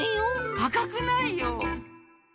あかくないよ！